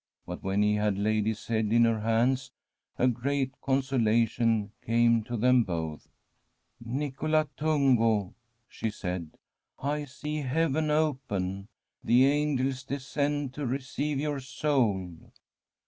But when he had laid his head in her hands, a great conso lation came to them both. * Nicola Tungo,' she said, ' I see heaven open. The angels descend to receive your soul.